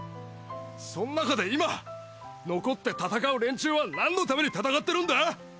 そン中で今残って戦う連中は何の為に戦ってるんだ？